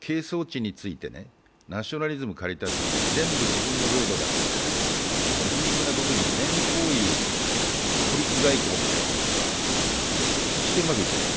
ケースウオッチに対してナショナリズムを駆り立てて全部自分の領土だといってるんですけど皮肉なことに、全方位孤立外交みたいになってきちゃって決してうまくいってない。